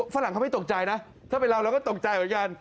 ฝรั่งเขาไม่ตกใจนะถ้าเป็นเราเราก็ตกใจเหมือนกัน